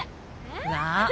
なあ。